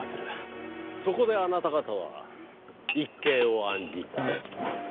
そこであなた方は一計を案じた。